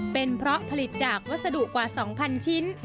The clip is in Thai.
เป็นเพราะผลิตจากวัสดุกว่า๒๐๐ชิ้น